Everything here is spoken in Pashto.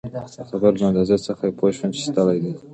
د خبرو له انداز څخه يې پوه شوم چي ستړی دی.